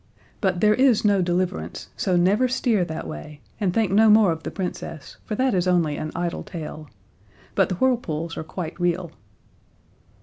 But there is no deliverance, so never steer that way; and think no more of the Princess, for that is only an idle tale. But the whirlpools are quite real."